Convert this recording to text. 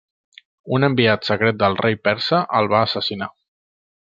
Un enviat secret del rei persa el va assassinar.